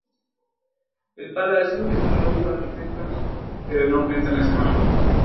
El palacio es un logro arquitectónico de renombre internacional.